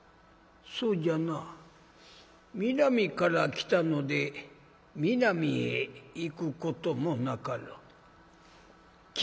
「そうじゃな南から来たので南へ行くこともなかろう。